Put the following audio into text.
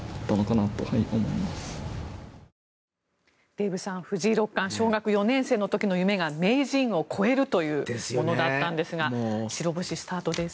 デーブさん、藤井六冠小学４年生の時の夢が名人を超えるというものだったんですが白星スタートです。